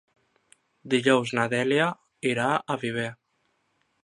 Dijous na Dèlia irà a Viver.